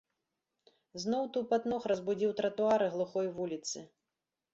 Зноў тупат ног разбудзіў тратуары глухой вуліцы.